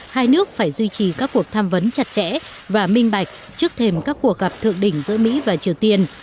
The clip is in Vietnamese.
hai nước phải duy trì các cuộc tham vấn chặt chẽ và minh bạch trước thềm các cuộc gặp thượng đỉnh giữa mỹ và triều tiên